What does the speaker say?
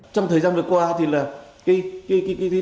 trong thời gian vừa qua thì là cái tự chủ